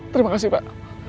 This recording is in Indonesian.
terima kasih pak